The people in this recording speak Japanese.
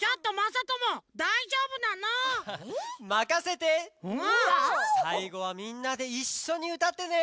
さいごはみんなでいっしょにうたってね！